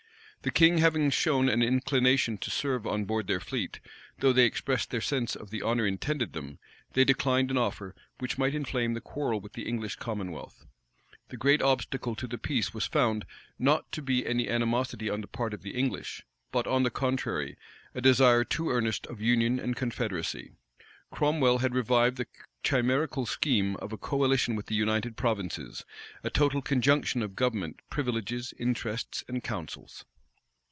The king having shown an inclination to serve on board their fleet, though they expressed their sense of the honor intended them, they declined an offer which might inflame the quarrel with the English commonwealth. The great obstacle to the peace was found, not to be any animosity on the part of the English, but, on the contrary, a desire too earnest of union and confederacy. Cromwell had revived the chimerical scheme of a coalition with the United Provinces; a total conjunction of government, privileges, interests, and councils.